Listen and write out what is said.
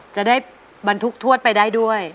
จะได้บรรทุกทวดไปได้ด้วย